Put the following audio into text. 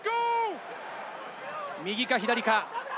右か左か。